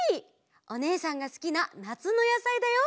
おねえさんがすきななつのやさいだよ。